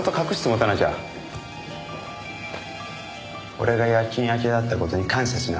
俺が夜勤明けだった事に感謝しな。